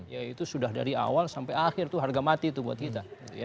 ya itu sudah dari awal sampai akhir itu harga mati itu buat kita